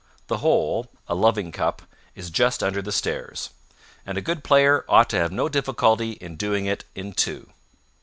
The hole a loving cup is just under the stairs; and a good player ought to have no difficulty in doing it in two.